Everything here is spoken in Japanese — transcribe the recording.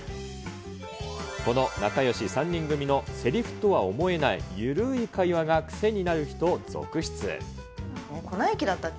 この仲よし３人組のせりふとは思えない緩ーい会話が癖になる人続粉雪だったっけ？